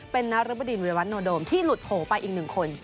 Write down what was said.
เป็นนรบดินวิรวัตโนโดมที่หลุดโผล่ไปอีกหนึ่งคน